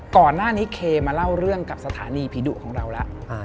ก่อนหน้านี้เคมาเล่าเรื่องกับสถานีผีดุของเราแล้ว